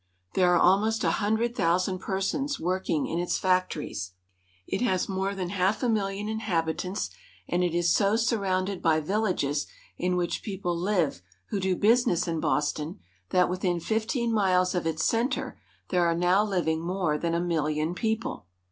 There are almost a hundred thousand persons working in its factories. It has more than half a million inhabitants, and it is so surrounded by villages in which people live who do business in Boston that within fifteen miles of its center there are now living more than a million people.